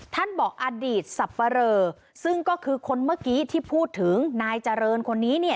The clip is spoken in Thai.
ท่านบอกอดีตสับปะเรอซึ่งก็คือคนเมื่อกี้ที่พูดถึงนายเจริญคนนี้เนี่ย